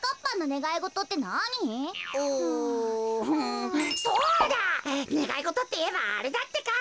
ねがいごとっていえばあれだってか。